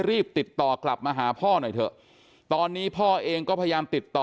รีบติดต่อกลับมาหาพ่อหน่อยเถอะตอนนี้พ่อเองก็พยายามติดต่อ